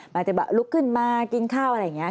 อาจจะแบบลุกขึ้นมากินข้าวอะไรอย่างนี้